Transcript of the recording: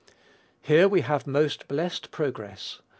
Here we have most blessed progress.